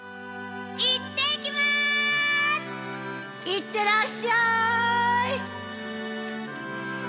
行ってらっしゃい！